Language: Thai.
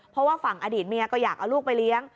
เพราะว่าฝั่งอดีตเมียก็อยากเอาลูกไปเลี้ยง